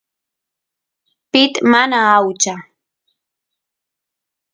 pit mana aucha